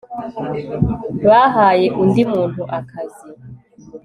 bahaye undi muntu akazi